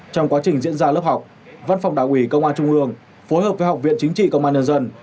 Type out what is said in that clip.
trong quá trình diễn ra lớp học văn phòng đảng ủy công an trung ương phối hợp với học viện chính trị công an nhân dân